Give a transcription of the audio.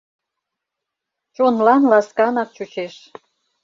Чонлан ласканак чучеш.